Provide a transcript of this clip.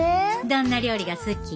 どんな料理が好き？